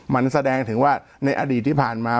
มันแสดงถึงว่าในอดีตที่ผ่านมา